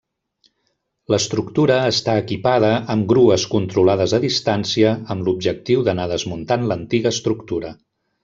L'estructura està equipada amb grues controlades a distància amb l'objectiu d'anar desmuntant l'antiga estructura.